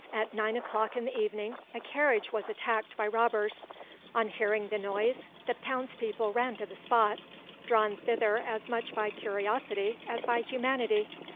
at nine o'clock in the evening, a carriage was attacked by robbers; on hearing the noise the townspeople ran to the spot, drawn thither as much by curiosity as by humanity.